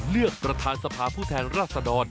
เลือกประธานสภาผู้แทนราชดร